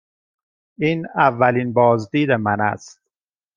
این اولین بازدید من است.